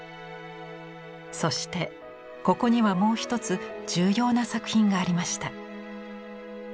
そしてここにはもう一つ重要な作品がありました。